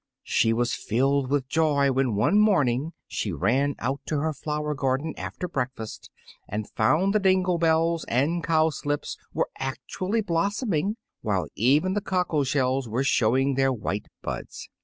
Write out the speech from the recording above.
She was filled with joy when one morning she ran out to her flower garden after breakfast and found the dingle bells and cowslips were actually blossoming, while even the cockle shells were showing their white buds.